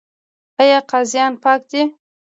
آیا قاضیان پاک دي؟